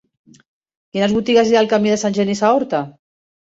Quines botigues hi ha al camí de Sant Genís a Horta?